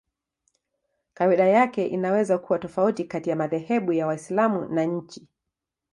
Kawaida yake inaweza kuwa tofauti kati ya madhehebu ya Waislamu na nchi.